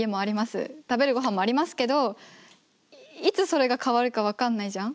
食べるごはんもありますけどいつそれが変わるか分かんないじゃん。